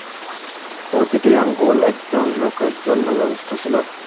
প্রতিটি আঙ্গুর একজন লোকের জন্যে যথেষ্ট ছিল।